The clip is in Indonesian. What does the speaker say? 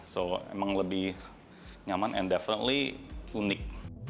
so emang lebih nyaman and divertly unik